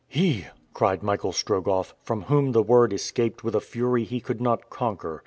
"He!" cried Michael Strogoff, from whom the word escaped with a fury he could not conquer.